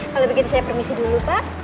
kalau begitu saya permisi dulu pak